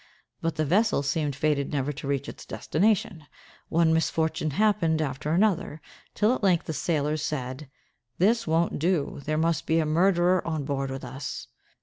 But the vessel seemed fated never to reach its destination; one misfortune happened after another, till at length the sailors said: "This won't do; there must be a murderer on board with us!"